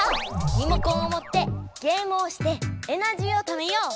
リモコンをもってゲームをしてエナジーをためよう。